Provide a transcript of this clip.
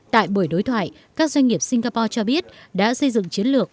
tại buổi đối thoại các doanh nghiệp singapore cho biết đã xây dựng chiến lược